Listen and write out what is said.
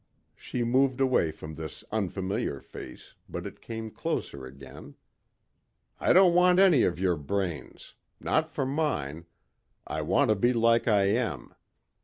She moved away from this unfamiliar face but it came closer again. "I don't want any of your brains. Not for mine. I want to be like I am.